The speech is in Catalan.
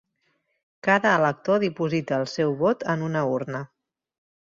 Cada elector diposita el seu vot en una urna